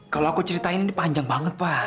kalau aku ceritain ini panjang banget pak